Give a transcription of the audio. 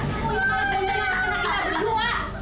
kamu yang malah jendela anak anak kita berdua